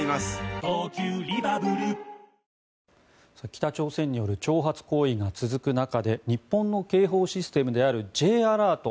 北朝鮮による挑発行為が続く中で日本の警報システムであるＪアラート